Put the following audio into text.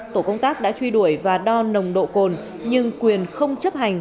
tổ công tác đã truy đuổi và đo nồng độ cồn nhưng quyền không chấp hành